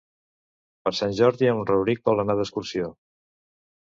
Per Sant Jordi en Rauric vol anar d'excursió.